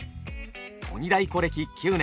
鬼太鼓歴９年。